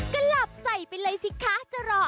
กลับใส่ไปเลยสิคะจะรออะไร